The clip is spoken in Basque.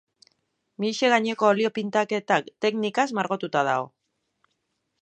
Mihise gaineko olio-pintaketa teknikaz margotua dago.